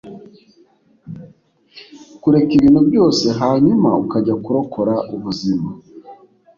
kureka ibintu byose hanyuma ukajya kurokora ubuzima